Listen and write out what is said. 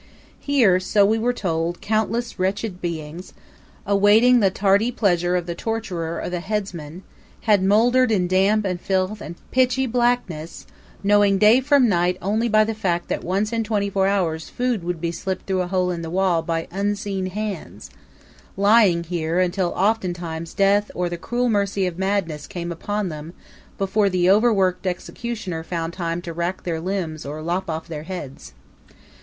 Here, so we were told, countless wretched beings, awaiting the tardy pleasure of the torturer or the headsman, had moldered in damp and filth and pitchy blackness, knowing day from night only by the fact that once in twenty four hours food would be slipped through a hole in the wall by unseen hands; lying here until oftentimes death or the cruel mercy of madness came upon them before the overworked executioner found time to rack their limbs or lop off their heads.